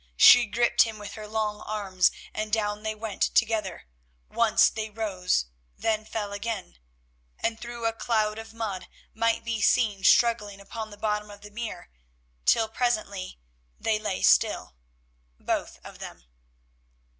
She gripped him with her long arms, and down they went together. Once they rose, then fell again, and through a cloud of mud might be seen struggling upon the bottom of the Mere till presently they lay still, both of them.